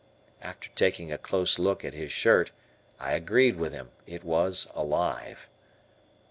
After taking a close look at his shirt, I agreed with him, it was alive.